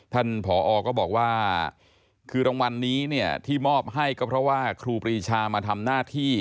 ผอก็บอกว่าคือรางวัลนี้เนี่ยที่มอบให้ก็เพราะว่าครูปรีชามาทำหน้าที่